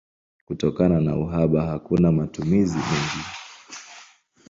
Kutokana na uhaba hakuna matumizi mengi.